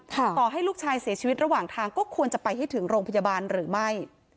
ต่อให้ลูกชายเสียชีวิตระหว่างทางก็ควรจะไปให้ถึงโรงพยาบาลหรือไม่